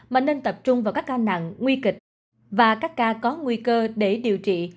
mà nên tập trung vào các ca nặng nguy kịch và các ca có nguy cơ để điều trị